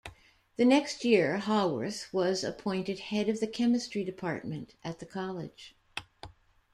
The next year Haworth was appointed Head of the Chemistry Department at the college.